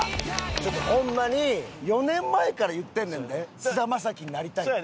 ちょっとホンマに４年前から言ってんねんで菅田将暉になりたいって。